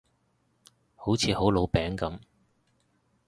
好似好老餅噉